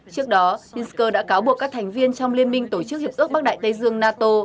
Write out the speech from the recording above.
trước đó binsk đã cáo buộc các thành viên trong liên minh tổ chức hiệp ước bắc đại tây dương nato